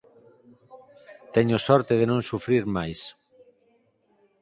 Teño sorte de non sufrir máis.